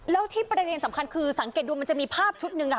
แล้วที่ประเด็นสำคัญคือสังเกตดูมันจะมีภาพชุดหนึ่ง